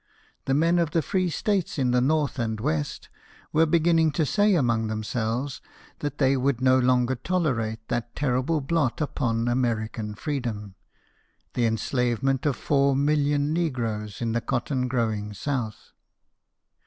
The men of the free states in the north and west were beginning to say among themselves that they would no longer tolerate that terrible blot upon American freedom the enslavement of four million negroes in the cotton growing south.